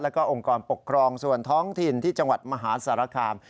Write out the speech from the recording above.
แล้วก็องค์กรปกครองส่วนท้องถิ่นที่จังหวัดมหาสารคาม